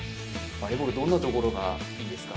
バレーボールどんなところがいいですか？